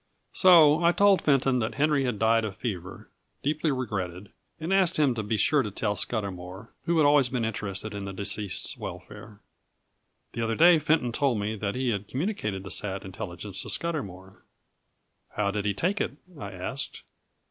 So I told Fenton that Henry had died of fever, deeply regretted; and asked him to be sure to tell Scudamour, who had always been interested in the deceased's welfare. The other day Fenton told me that he had communicated the sad intelligence to Scudamour. "How did he take it?" I asked.